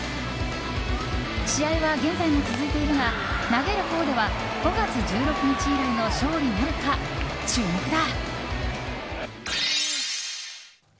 試合は現在も続いているが投げるほうでは５月１６日以来の勝利なるか、注目だ。